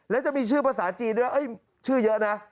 แล้วจะมีชื่อภาษาจีนด้วยชื่อเยอะนะ